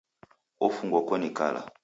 Ofungwa koni kala.